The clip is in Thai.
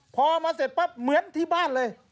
พอมาเสร็จปั๊บเหมือนที่บ้านเลย